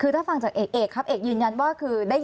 อย่างเงี้ย